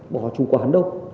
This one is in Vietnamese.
bỏ chủ quán đâu